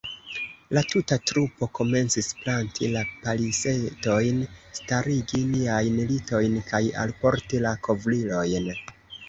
La tuta trupo komencis planti la palisetojn, starigi niajn litojn kaj alporti la kovrilojn.